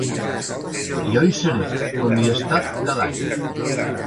Jo hi seré, com hi he estat cada any.